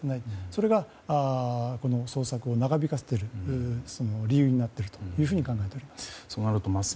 それがこの捜索を長引かせている理由になっていると考えております。